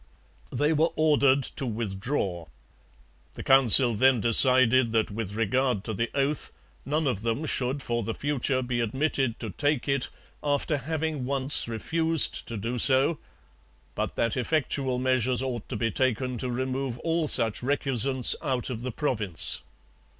They were ordered to withdraw. The Council then decided that with regard to the oath none of them should for the future be admitted to take it after having once refused to do so, but that effectual measures ought to be taken to remove all such recusants out of the province.